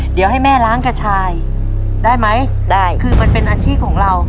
เดี๋ยวให้แม่ล้างกระชายได้ไหมได้คือมันเป็นอาชีพของเรา